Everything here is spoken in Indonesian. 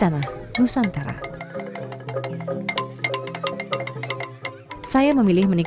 lalu malam lain